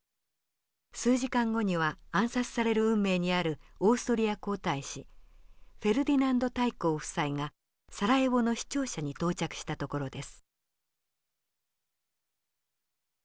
数時間後には暗殺される運命にあるオーストリア皇太子フェルディナンド大公夫妻がサラエボの市庁舎に到着したところです。